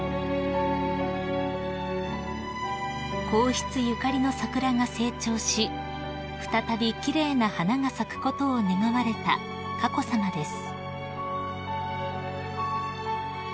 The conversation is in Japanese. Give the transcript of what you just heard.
［皇室ゆかりの桜が成長し再び奇麗な花が咲くことを願われた佳子さまです］